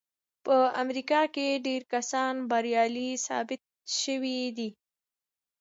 په امريکا کې ډېر کسان بريالي ثابت شوي دي.